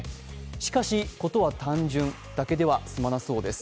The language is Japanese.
しかし、事は単純だけでは済まなそうです。